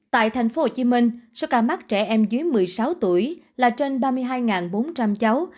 tại thành phố hồ chí minh số ca mắc trẻ em dưới một mươi sáu tuổi là trên ba mươi hai bốn trăm linh cháu